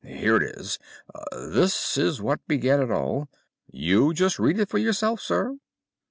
"Here it is. This is what began it all. You just read it for yourself, sir."